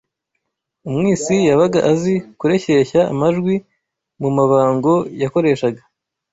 Umwisi Yabaga azi kureshyeshya amajwi mu mabango yakoreshaga